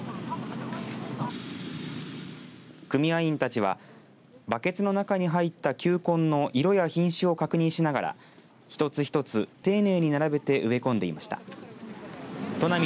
組合員たちはバケツの中に入った球根の色や品種を確認しながら一つ一つ丁寧に並べて植え込んでいました。